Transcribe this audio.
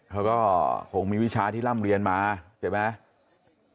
เขาก็คงมีวิชาที่ร่ำเรียนมาใช่ไหม